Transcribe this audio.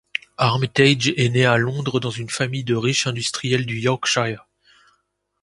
Armitage est né à Londres dans une famille de riches industriels du Yorkshire.